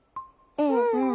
うんうん。